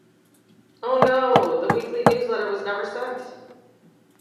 Oh no, the weekly newsletter was never sent!